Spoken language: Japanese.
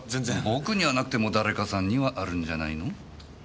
僕にはなくても誰かさんにはあるんじゃないの？